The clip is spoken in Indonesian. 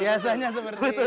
biasanya seperti itu